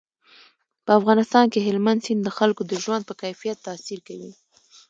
په افغانستان کې هلمند سیند د خلکو د ژوند په کیفیت تاثیر کوي.